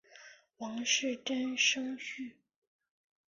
王士禛甥婿。